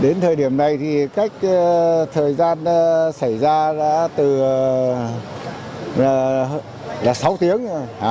đến thời điểm này thì cách thời gian xảy ra là từ sáu tiếng